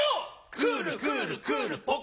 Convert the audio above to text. クールクールクールポコ。！